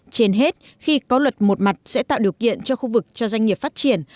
trên hết khi có luật một mặt sẽ tạo điều kiện cho khu vực cho doanh nghiệp phát triển